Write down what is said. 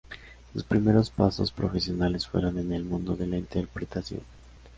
Sus primeros pasos profesionales fueron en el mundo de la interpretación.